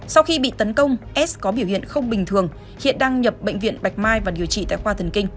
sau khi bị tấn công s có biểu hiện không bình thường hiện đang nhập bệnh viện bạch mai và điều trị tại khoa thần kinh